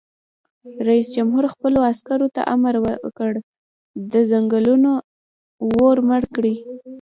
رئیس جمهور خپلو عسکرو ته امر وکړ؛ د ځنګلونو اور مړ کړئ!